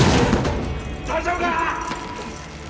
大丈夫かー！